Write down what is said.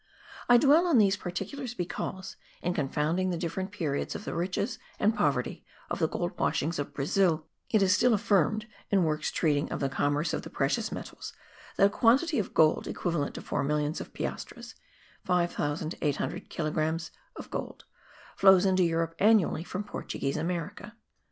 I dwell on these particulars because, in confounding the different periods of the riches and poverty of the gold washings of Brazil, it is still affirmed in works treating of the commerce of the precious metals, that a quantity of gold equivalent to four millions of piastres (5800 kilogrammes of gold*) flows into Europe annually from Portuguese America.